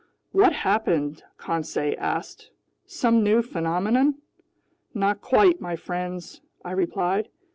"What happened?" Conseil asked. "Some new phenomenon?" "Not quite, my friends!" I replied.